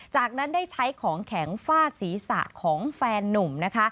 จากนั้นได้ใช้ของแข็งฟาดศีรษะของแฟนนุ่มนะคะ